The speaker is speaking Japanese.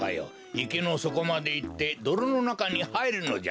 いけのそこまでいってどろのなかにはいるのじゃ。